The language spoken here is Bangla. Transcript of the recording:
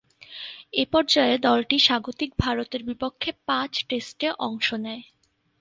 এ পর্যায়ে দলটি স্বাগতিক ভারতের বিপক্ষে পাঁচ টেস্টে অংশ নেয়।